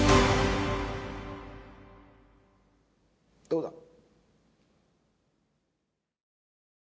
どうだ？